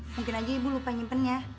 mungkin aja ibu lupa nyimpennya